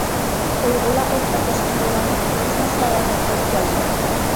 ئۇيغۇرلار ئولتۇراقلاشقان جايلارنىڭ تولىسىنى ساياھەت قىلىپ كەلدىم.